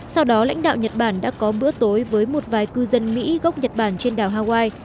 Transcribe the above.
sau đó lãnh đạo nhật bản đã có bữa tối với một vài cư dân mỹ gốc nhật bản trên đảo hawaii